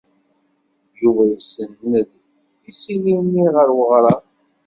Yuba isenned isili-nni ɣer weɣrab.